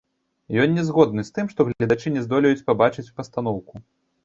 Ён не згодны з тым, што гледачы не здолеюць пабачыць пастаноўку.